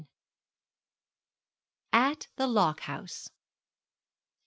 AT THE LOCK HOUSE.